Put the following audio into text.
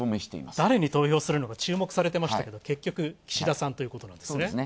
誰に投票するのか注目されてましたけど、結局、岸田さんということなんですね。